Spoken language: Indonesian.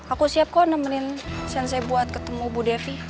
aku siap kok nemenin sense buat ketemu bu devi